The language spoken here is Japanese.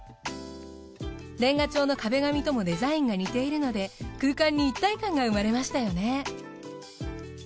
レンガ調の壁紙ともデザインが似ているので空間に一体感が生まれましたよね。